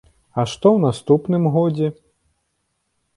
А што ў наступным годзе?